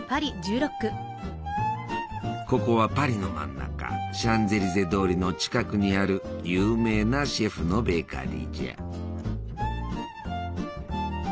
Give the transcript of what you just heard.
ここはパリの真ん中シャンゼリゼ通りの近くにある有名なシェフのベーカリーじゃ。